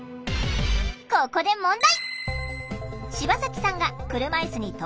ここで問題！